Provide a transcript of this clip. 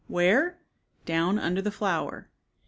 Where? Down under the flower.